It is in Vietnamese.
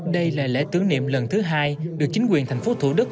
đây là lễ tưởng niệm lần thứ hai được chính quyền thành phố thủ đức